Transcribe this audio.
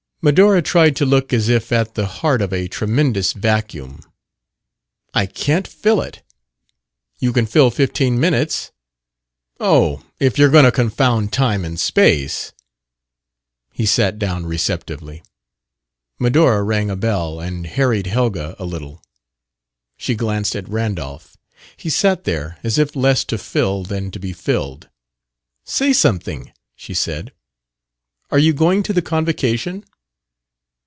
Medora tried to look as if at the heart of a tremendous vacuum. "I can't fill it." "You can fill fifteen minutes." "Oh, if you're going to confound time and space...!" He sat down receptively. Medora rang a bell and harried Helga a little. She glanced at Randolph. He sat there as if less to fill than to be filled. "Say something," she said. "Are you going to the convocation?"